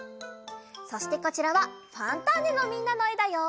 そしてこちらは「ファンターネ！」のみんなのえだよ！